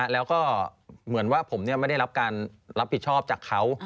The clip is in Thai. แล้วก็เหมือนว่าผมไม่ได้รับการรับผิดชอบจากเขา